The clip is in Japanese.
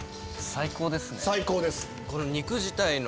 最高ですね。